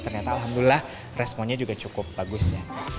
ternyata alhamdulillah responnya juga cukup bagus ya